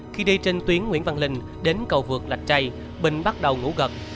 khi đi trên tuyến nguyễn văn linh đến cầu vượt lạch chay bình bắt đầu ngủ gật